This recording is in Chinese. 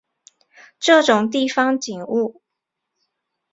这种地方景物